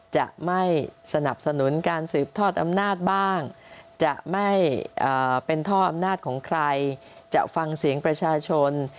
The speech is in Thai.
จะไม่สนับสนุนการสืบทอดอำนาจบ้างจะไม่เป็นท่ออำนาจของใครจะฟังเสียงประชาชน